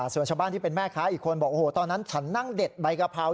ส่วนชาวบ้านที่เป็นแม่ค้าอีกคนบอกโอ้โหตอนนั้นฉันนั่งเด็ดใบกะเพรา